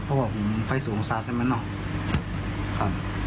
เพราะว่าฟังไฟสูงสายสายมันเนอะ